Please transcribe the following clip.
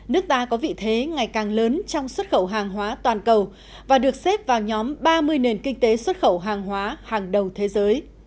nước ta có vị thế ngày càng lớn trong xuất khẩu hàng hóa toàn cầu và được xếp vào nhóm ba mươi nền kinh tế xuất khẩu hàng hóa hàng đầu thế giới